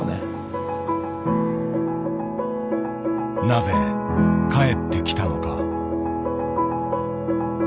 なぜ帰ってきたのか。